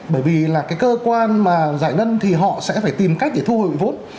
bởi vì là cái cơ quan mà giải ngân thì họ sẽ phải tìm cách để thu hồi vốn